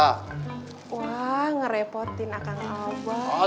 wah ngerepotin akang abah